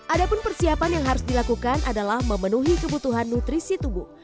ada pun persiapan yang harus dilakukan adalah memenuhi kebutuhan nutrisi tubuh